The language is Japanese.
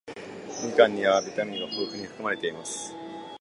みかんにはビタミンが豊富に含まれています。